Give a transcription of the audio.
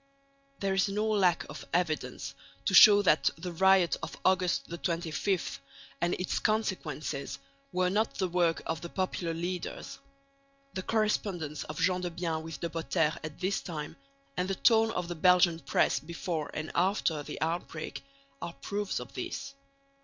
There is no lack of evidence to show that the riot of August 25 and its consequences were not the work of the popular leaders. The correspondence of Gendebien with De Potter at this time, and the tone of the Belgian press before and after the outbreak, are proofs of this.